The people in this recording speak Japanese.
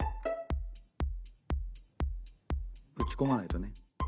うちこまないとね。